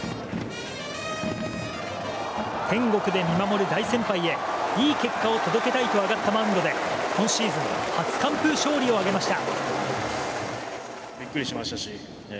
天国で見守る大先輩へいい結果を届けたいと上がったマウンドで今シーズン初完封勝利を挙げました。